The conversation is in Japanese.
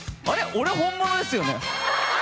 俺本物ですよね？